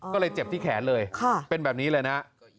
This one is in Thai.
ก็เลยเจ็บที่แขนเลยเป็นแบบนี้เลยนะ